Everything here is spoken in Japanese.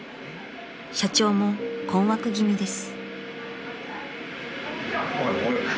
［社長も困惑気味です］